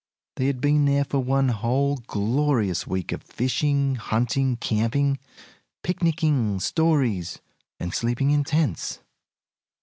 They had been there for one whole glorious week of fishing, hunting, camping, picnicing, stories, and sleeping in tents.